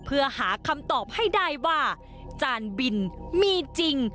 เพื่อหาคำตอบให้ได้ว่าจานบินมีจริง